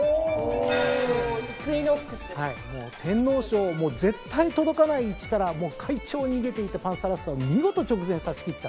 天皇賞絶対届かない位置から快調に出ていったパンサラッサを見事直前さしきった。